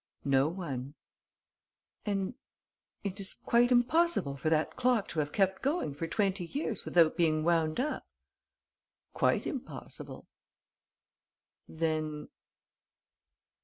"No one." "And it is quite impossible for that clock to have kept going for twenty years without being wound up?" "Quite impossible." "Then